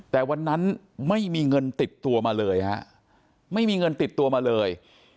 แต่วันนั้นไม่มีเงินติดตัวมาเลยฮะไม่มีเงินติดตัวมาเลย